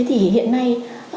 thế thì hiện nay